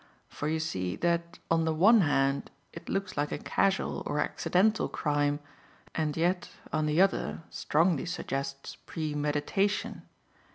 For you see that on the one hand, it looks like a casual or accidental crime, and yet, on the other, strongly suggests premeditation.